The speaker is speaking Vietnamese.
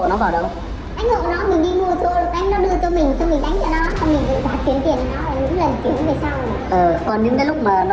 đánh hộ nó mình đi mua số nó đưa cho mình xong mình đánh cho nó xong mình giải pháp tiền tiền nó những lần chiếu về sau